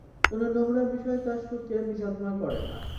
কোন নোংরা বিষয় তাঁর সুখকে বিষাদময় করে না।